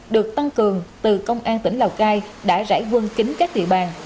được tăng cường từ công an tỉnh lào cai đã giải quân kính các địa bàn